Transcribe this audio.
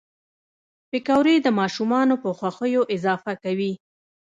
پکورې د ماشومانو په خوښیو اضافه کوي